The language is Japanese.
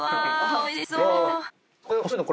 おいしそう！